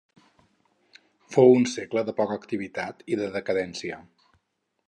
Fou un segle de poca activitat i de decadència.